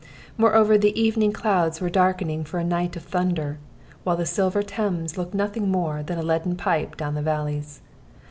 Moreover, the evening clouds were darkening for a night of thunder, while the silver Thames looked nothing more than a leaden pipe down the valleys.